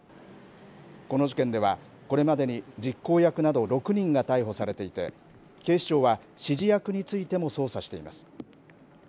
この事件では、これまでに実行役など６人が逮捕されていて警視庁は指示役についても捜査しています。